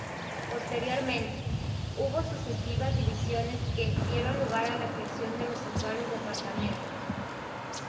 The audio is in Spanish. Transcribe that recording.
Posteriormente, hubo sucesivas divisiones que dieron lugar a la creación de los actuales departamentos.